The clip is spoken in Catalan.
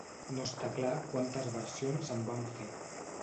No està clar quantes versions se'n van fer.